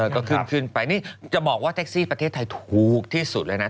ก็ขึ้นขึ้นไปนี่จะบอกว่าแท็กซี่ประเทศไทยถูกที่สุดเลยนะ